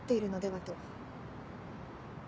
は？